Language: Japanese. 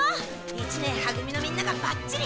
一年は組のみんながバッチリ。